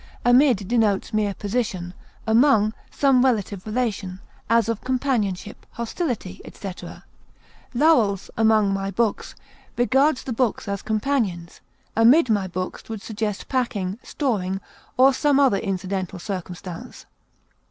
Amid denotes mere position; among, some active relation, as of companionship, hostility, etc. Lowell's "Among my Books" regards the books as companions; amid my books would suggest packing, storing, or some other incidental circumstance.